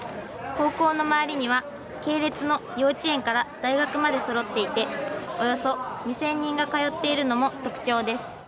高校の周りには系列の幼稚園から大学までそろっていておよそ２０００人が通っているのも特徴です。